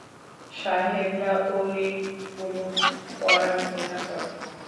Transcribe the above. সাহেবরা ঐগুলো পরা ঘৃণা করে।